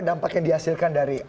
dampak yang dihasilkan dari